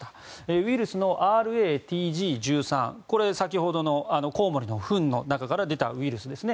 ウイルスのＲａＴＧ１３先ほどのコウモリのふんの中から出たウイルスですね。